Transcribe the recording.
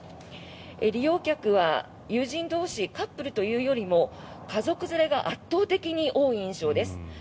利用客は友人同士カップルというよりも家族連れが圧倒的に多い印象です。